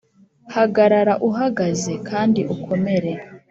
hagarara uhagaze kandi ukomere